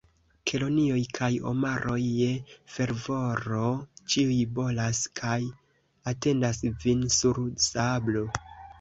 Kelonioj kaj omaroj je fervoro ĉiuj bolas, kaj atendas vin sur sablo!